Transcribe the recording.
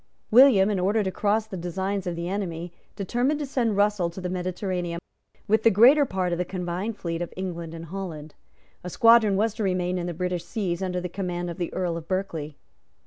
William, in order to cross the designs of the enemy, determined to send Russell to the Mediterranean with the greater part of the combined fleet of England and Holland. A squadron was to remain in the British seas under the command of the Earl of Berkeley.